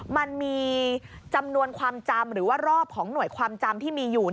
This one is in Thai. มันมีจำนวนความจำหรือว่ารอบของหน่วยความจำที่มีอยู่